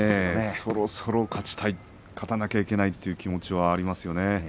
そろそろ勝ちたい勝たなきゃいけないという気持ちがあると思いますよ。